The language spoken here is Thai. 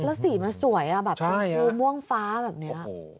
แล้วสีมันสวยแบบชมพูม่วงฟ้าแบบนี้